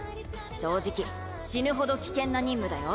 正直死ぬほど危険な任務だよ